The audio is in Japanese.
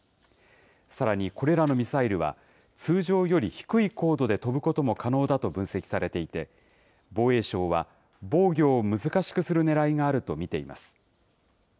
さらに、これらのミサイルは、通常より低い高度で飛ぶことも可能だと分析されていて、防衛省は、防御を難しくするねらいがあると見ています。